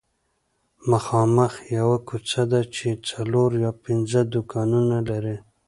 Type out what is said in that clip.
مخامخ یوه کوڅه ده چې څلور یا پنځه دوکانونه لري